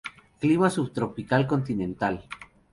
Clima subtropical continental.